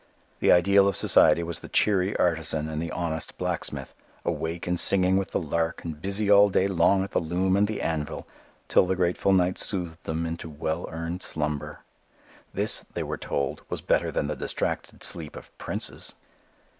The ideal of society was the cheery artisan and the honest blacksmith, awake and singing with the lark and busy all day long at the loom and the anvil, till the grateful night soothed them into well earned slumber. This, they were told, was better than the distracted sleep of princes.